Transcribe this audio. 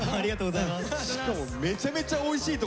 しかもめちゃめちゃおいしいとこだよあれ。